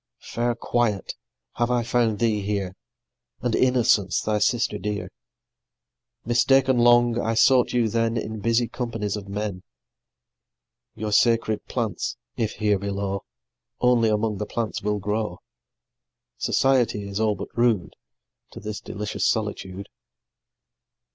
Fair Quiet, have I found thee here, And Innocence, thy sister dear! Mistaken long, I sought you then In busy companies of men; Your sacred plants, if here below, Only among the plants will grow. Society is all but rude, To this delicious solitude.